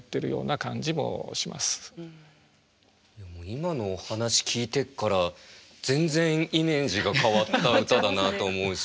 今のお話聞いてから全然イメージが変わった歌だなと思うし。